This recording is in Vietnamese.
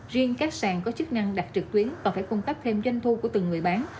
riêng các sàn có chức năng đặt trực tuyến và phải cung cấp thêm doanh thu của từng người bán